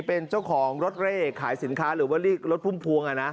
เป็นเจ้าของรถเร่ขายสินค้าหรือว่าเรียกรถพุ่มพวง